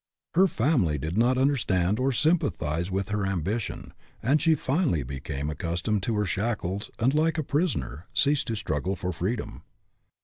Her family did not under stand her or sympathize with her ambition; and she finally became accustomed to her shackles and, like a prisoner, ceased to strug gle for freedom.